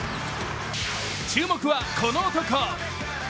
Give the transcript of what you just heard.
注目はこの男。